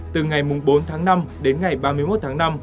từ ngày bốn tháng năm đến ngày ba mươi một tháng năm